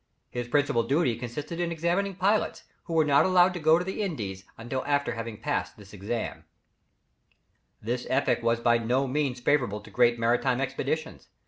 His principal duty consisted in examining pilots, who were not allowed to go to the Indies until after having passed this examination. This epoch was by no means favourable to great maritime expeditions.